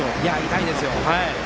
痛いですよ。